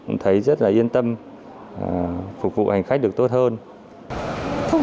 mấy chị hàng không